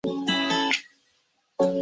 山竹同属的主要水果包括钮扣山竹。